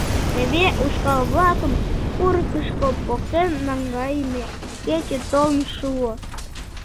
Теве ушкал-влакым курыкышко поктен наҥгайыме кече толын шуо.